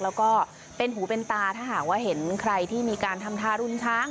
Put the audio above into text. แล้วก็เป็นหูเป็นตาถ้าหากว่าเห็นใครที่มีการทำทารุณช้าง